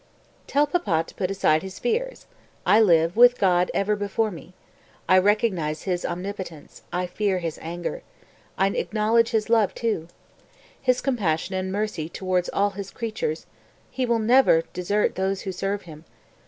244. "Tell papa to put aside his fears; I live, with God ever before me. I recognize His omnipotence, I fear His anger; I acknowledge His love, too, His compassion and mercy towards all His creatures, He will never desert those who serve Him.